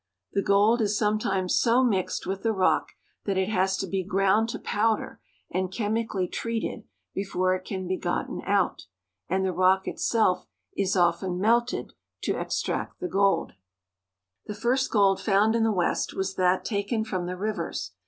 The gold is some times so mixed with the rock that it has to be ground to powder and chemically treated before it can be gotten out, and the rock itself is often melted to extract the gold. 240 THE ROCKY MOUNTAIN REGION. The first gold found in the West was that taken fron\ the rivers.